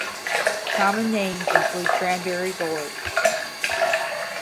Common names include cranberry gourd.